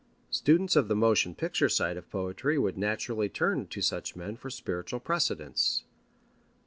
Students of the motion picture side of poetry would naturally turn to such men for spiritual precedents.